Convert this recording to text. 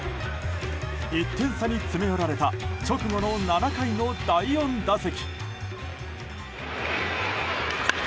１点差に詰め寄られた直後の７回の第４打席。